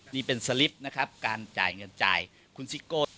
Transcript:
นี่เป็นสลิปนะครับการจ่ายเงินจ่ายคุณซิโก้